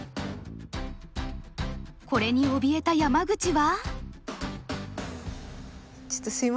これにおびえた山口は。